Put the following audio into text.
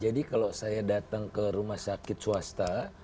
jadi kalau saya datang ke rumah sakit swasta